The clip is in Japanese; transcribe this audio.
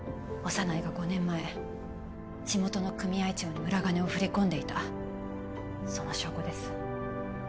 小山内が５年前地元の組合長に裏金を振り込んでいたその証拠です